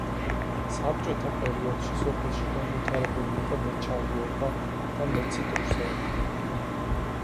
საბჭოტა პერიოდში სოფელში განვითარებული იყო მეჩაიეობა და მეციტრუსეობა.